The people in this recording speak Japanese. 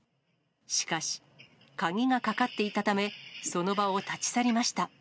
しかし、鍵がかかっていたため、その場を立ち去りました。